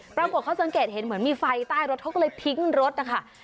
ปรากฏเขาสังเกตเห็นเหมือนมีไฟใต้รถเขาก็เลยทิ้งรถนะคะ